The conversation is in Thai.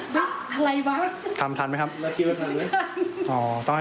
แล้วก็เลยลองทำตัวเนี่ยขายดู